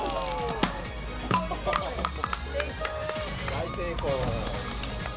大成功。